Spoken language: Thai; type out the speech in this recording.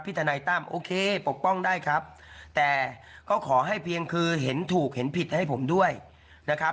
ทนายตั้มโอเคปกป้องได้ครับแต่ก็ขอให้เพียงคือเห็นถูกเห็นผิดให้ผมด้วยนะครับ